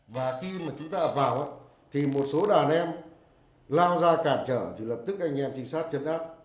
và khi mà chúng ta ập vào thì một số đàn em lao ra cản trở thì lập tức anh em trinh sát chấn áp